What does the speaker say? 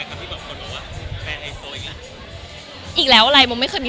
มันคิดว่าจะเป็นรายการหรือไม่มี